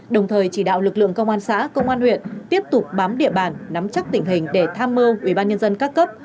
đồng thời chỉ đạo lực lượng công an xã công an huyện tiếp tục bám địa bàn nắm chắc tình hình để tham mưu ubnd các cấp